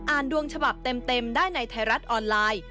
ดวงฉบับเต็มได้ในไทยรัฐออนไลน์